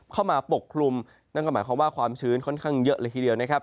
ปกคลุมนั่นก็หมายความว่าความชื้นค่อนข้างเยอะเลยทีเดียวนะครับ